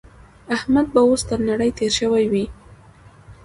احمد به اوس تر نړۍ تېری شوی وي.